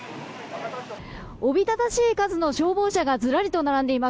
おびただしい数の消防車がずらりと並んでいます